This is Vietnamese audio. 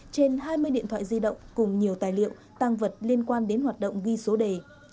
trên hai mươi điện thoại di động cùng nhiều tài liệu tăng vật liên quan đến hoạt động ghi số đề